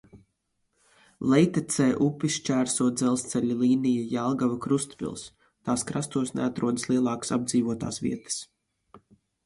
Lejtecē upi šķērso dzelzceļa līnija Jelgava–Krustpils, tās krastos neatrodas lielākas apdzīvotās vietas.